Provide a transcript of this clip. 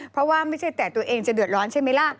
เพราะว่าไม่ใช่แต่ตัวเองจะเดือดร้อนใช่ไหมล่ะ